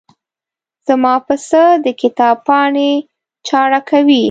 زما پسه د کتاب پاڼې چاړه کوي.